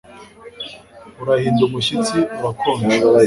Urahinda umushyitsi Urakonje